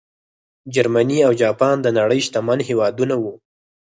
جرمني او جاپان د نړۍ شتمن هېوادونه وو.